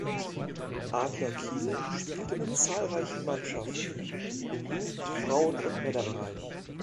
Adler Kiel spielte mit zahlreichen Mannschaften im Jugend-, Frauen- und Männerbereich.